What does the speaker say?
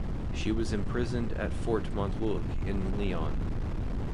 She was imprisoned at Fort Montluc in Lyon.